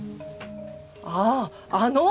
あああの？